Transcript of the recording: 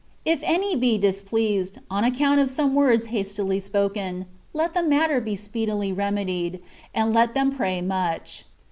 If any be displeased, on account of some words hastily spoken, let the matter be speedily remedied, and let them pray much.